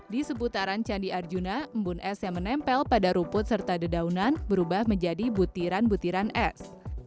di seputaran candi arjuna embun es yang menempel pada rumput serta dedaunan berubah menjadi butiran butiran es